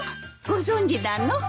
ご存じなの？